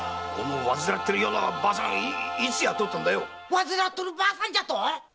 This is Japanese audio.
「患っとる婆さん」じゃと？